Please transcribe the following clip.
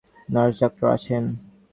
Nurse, doctor আছেন?